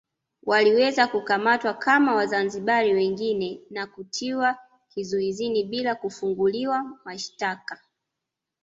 Waliweza kukamatwa kama Wazanzibari wengine na kutiwa kizuizini bila kufunguliwa mashitaka